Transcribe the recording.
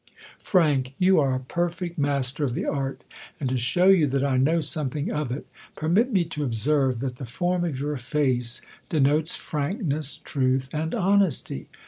Fru You are a perfect master of the art. And to' show you that I ksow something of it, permit me to observe, that the form of your face denotes frankhess, truth, and honesty.